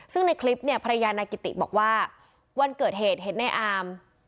ซึ่งในคลิปเนี่ยภรรยานายกิติบอกว่าวันเกิดเหตุเห็นในอาม